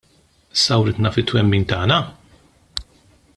Sawritna fit-twemmin tagħna?